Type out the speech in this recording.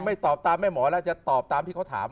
ตอบตามแม่หมอแล้วจะตอบตามที่เขาถาม